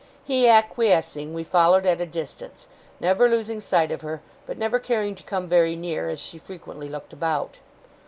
He acquiescing, we followed at a distance: never losing sight of her, but never caring to come very near, as she frequently looked about.